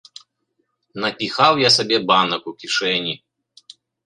Напіхаў я сабе банак у кішэні.